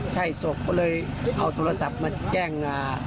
ใช่ศพก็เลยเอาโทรศัพท์มาแจ้งงา